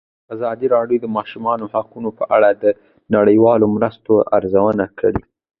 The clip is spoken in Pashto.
ازادي راډیو د د ماشومانو حقونه په اړه د نړیوالو مرستو ارزونه کړې.